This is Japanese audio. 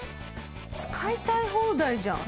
使いたい放題じゃん。